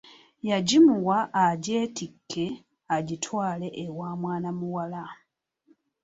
Yagimuwa agyetikke agitwale ewa mwana muwala.